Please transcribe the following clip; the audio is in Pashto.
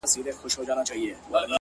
پر نوزادو ارمانونو؛ د سکروټو باران وينې؛